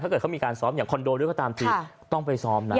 เกิดเขามีการซ้อมอย่างคอนโดด้วยก็ตามทีต้องไปซ้อมนะ